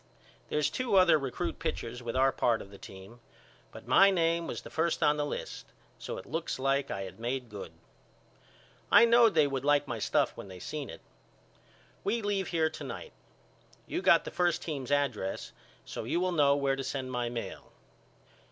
There's two other recrut pitchers with our part of the team but my name was first on the list so it looks like I had made good. I knowed they would like my stuff when they seen it. We leave here to night. You got the first team's address so you will know where to send my mail.